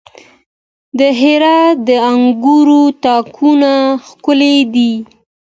د هرات د انګورو تاکونه ښکلي دي.